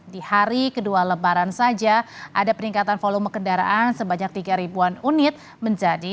di hari kedua lebaran saja ada peningkatan volume kendaraan sebanyak tiga ribuan unit menjadi